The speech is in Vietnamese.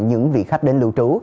những vị khách đến lưu trú